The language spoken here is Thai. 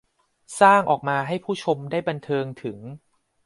สร้างออกมาให้ผู้ชมได้บันเทิงถึง